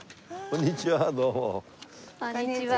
こんにちは。